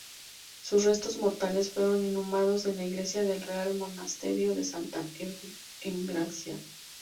Sus restos mortales fueron inhumados en la iglesia del Real Monasterio de Santa Engracia.